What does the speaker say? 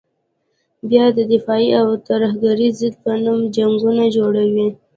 بیا د دفاع او ترهګرې ضد په نوم جنګونه جوړوي.